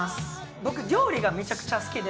僕料理がめちゃくちゃ好きで。